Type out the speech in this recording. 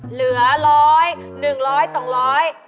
เหลือร้อยหนึ่งร้อยสองร้อย